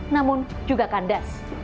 namun juga kandas